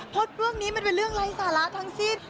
เพราะเรื่องนี้มันเป็นเรื่องไร้สาระทั้งสิ้น